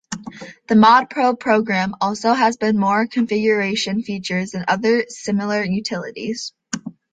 The "modprobe" program also has more configuration features than other similar utilities.